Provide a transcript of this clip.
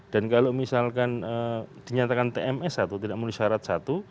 dan kalau misalkan dinyatakan tms satu tidak memenuhi syarat satu